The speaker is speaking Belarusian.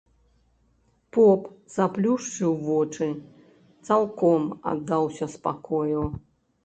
Поп заплюшчыў вочы, цалком аддаўся спакою.